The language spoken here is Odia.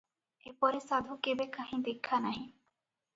ଏପରି ସାଧୁ କେବେ କାହିଁ ଦେଖା ନାହିଁ ।